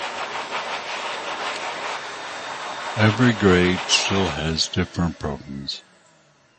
Every grade still has different problems.